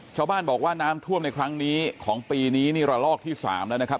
ชาวบ้านบอกว่าน้ำท่วมในครั้งนี้ของปีนี้นี่ระลอกที่๓แล้วนะครับ